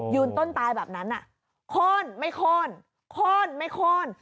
ยูนต้นตายแบบนั้นโค่นไม่โค่น